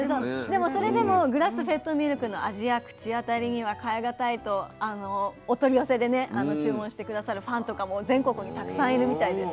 それでもグラスフェッドミルクの味や口当たりには代え難いとお取り寄せでね注文して下さるファンとかも全国にたくさんいるみたいです。